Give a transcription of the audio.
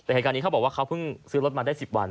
แต่เหตุการณ์นี้เขาบอกว่าเขาเพิ่งซื้อรถมาได้๑๐วัน